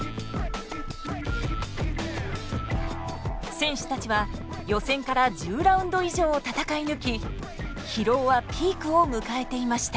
選手たちは予選から１０ラウンド以上を戦い抜き疲労はピークを迎えていました。